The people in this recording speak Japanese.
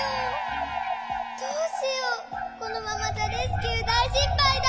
どうしようこのままじゃレスキューだいしっぱいだ。